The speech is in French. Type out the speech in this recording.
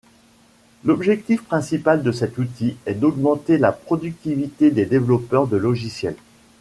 L'objectif principal de cet outil est d'augmenter la productivité des développeurs de logiciels.